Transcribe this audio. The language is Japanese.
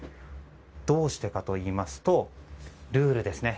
どうしてかといいますとルールですね。